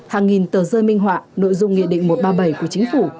hàng nghìn tờ rơi minh họa nội dung nghị định một trăm ba mươi bảy của chính phủ